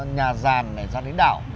nhà giàn ra đến đảo